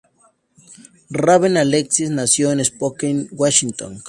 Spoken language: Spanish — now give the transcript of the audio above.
Raven Alexis nació en Spokane, Washington.